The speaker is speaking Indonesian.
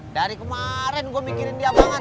dari kemarin gue mikirin dia banget